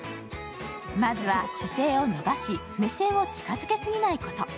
まずは姿勢を伸ばし、目線を近づけすぎないこと。